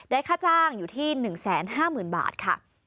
ค่าจ้างอยู่ที่๑๕๐๐๐บาทค่ะ